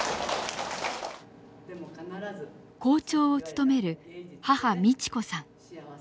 校長を務める母美智子さん。